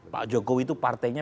pak jokowi itu partainya